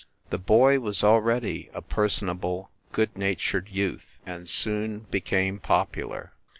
The boy was already a personable, good natured youth and soon became popular.